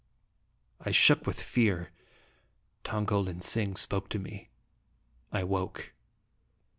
I shook with fear Tong ko lin sing spoke to me. I woke.